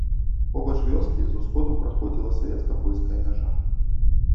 Побач вёскі з усходу праходзіла савецка-польская мяжа.